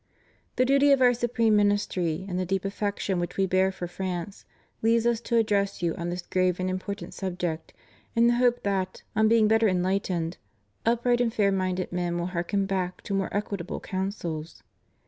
The duty of Our supreme ministry, and the deep affection which We bear for France, lead Us to address you on this grave and important subject in the hope that, on being better enlightened, upright and fair minded men will hark back to more equitable counsels.